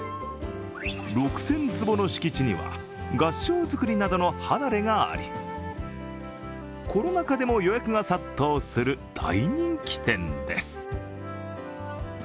６０００坪の敷地には合掌造りなどの離れがあり、コロナ禍でも予約が殺到する大人気店です。